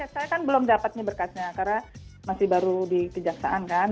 saya kan belum dapatnya berkatnya karena masih baru dikejaksaan kan